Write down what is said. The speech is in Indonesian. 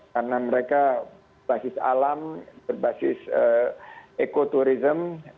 karena mereka berbasis alam berbasis ekoturism